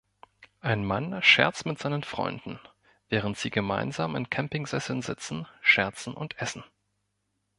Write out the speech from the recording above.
Ein Mann scherzt mit seinen Freunden, während sie gemeinsam in Campingsesseln sitzen, scherzen und essen.